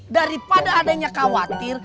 daripada adanya khawatir